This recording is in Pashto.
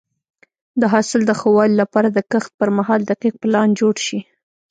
د حاصل د ښه والي لپاره د کښت پر مهال دقیق پلان جوړ شي.